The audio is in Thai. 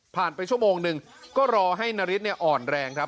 ไปชั่วโมงหนึ่งก็รอให้นาริสอ่อนแรงครับ